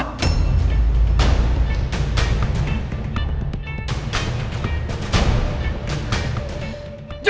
aku transfer buat mateo